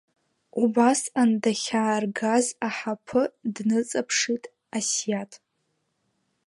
Убасҟан дахьааргаз аҳаԥы дныҵаԥшит Асиаҭ.